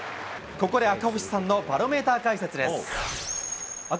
ここで赤星さんのバロメーター解説です。